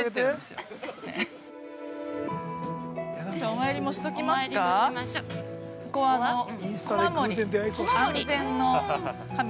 ◆お参りもしときますか。